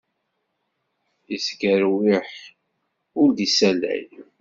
Isgerwiḥ ur d-issalay.